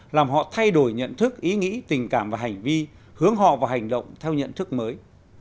làm họ thay đổi nhận thức ý nghĩ tình cảm và hành vi hướng họ vào hành động theo nhận thức mới